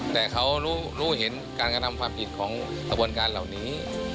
แต่เขารู้เห็นการกระทำความผิดของกระบวนการเหล่านี้